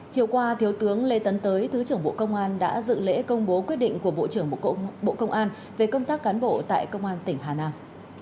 chiều qua thiếu tướng lê tấn tới thứ trưởng bộ công an đã dự lễ công bố quyết định của bộ trưởng bộ công an về công tác cán bộ tại công an tỉnh hà nam